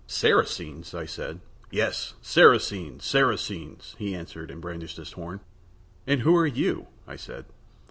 "Saracens?" I said. "Yes, Saracens, Saracens," he answered and brandished his horn. "And who are you?" I said.